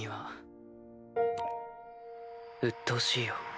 ピコンうっとうしいよ。